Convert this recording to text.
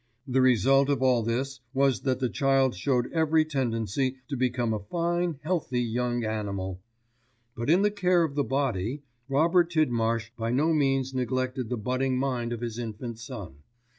The result of all this was that the child showed every tendency to become a fine healthy young animal. But in the care of the body, Robert Tidmarsh by no means neglected the budding mind of his infant son.